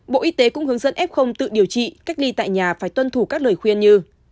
bộ y tế cũng hướng dẫn f tự điều trị cách ly tại nhà phải tuân thủ các lời khuyên như